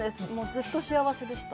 ずっと幸せでした。